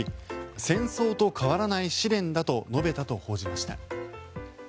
戦争と変わらない試練だと述べたと報じました。